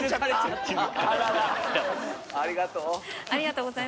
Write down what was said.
［ありがとう］